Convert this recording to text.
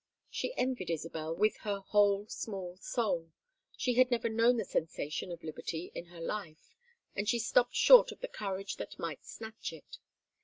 She envied Isabel with her whole small soul; she had never known the sensation of liberty in her life, and she stopped short of the courage that might snatch it.